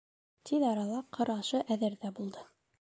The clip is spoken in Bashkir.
Тиҙ арала ҡыр ашы әҙер ҙә булды.